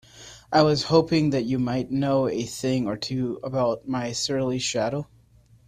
I was hoping you might know a thing or two about my surly shadow?